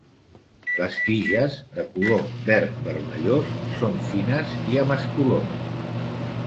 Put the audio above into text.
Les tiges, de color verd vermellós, són fines i amb estolons.